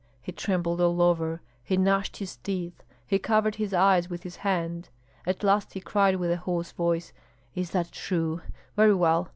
He trembled all over, he gnashed his teeth, he covered his eyes with his hand; at last he cried with a hoarse voice, "Is that true? Very well!